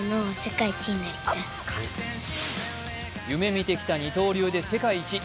夢見てきた二刀流で世界一。